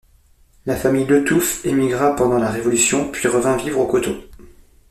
La famille Letouf émigra pendant la Révolution puis revint vivre au Coteau.